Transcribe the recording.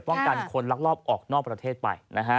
ป้องกันคนรักลอบออกนอกประเทศไป